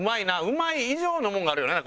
うまい以上のものがあるよな